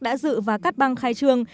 đã dự và cắt băng khai trương